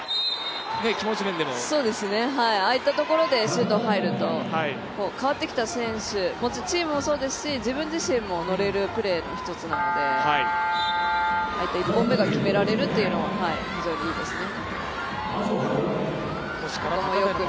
ああいったところでシュート入ると代わってきた選手、チームもそうですし、自分自身も乗れるプレーの一つなので、ああやって、１本目が決められるというのは、非常にいいですね。